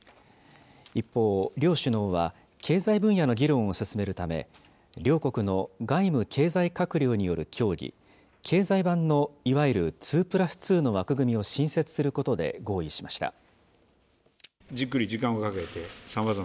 一方、両首脳は経済分野の議論を進めるため、両国の外務・経済閣僚による協議、経済版のいわゆる２プラス２の枠組みを新設することで合意しました。